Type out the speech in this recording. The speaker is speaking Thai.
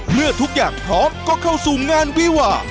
เมื่อทุกอย่างพร้อมก็เข้าสู่งานวิวา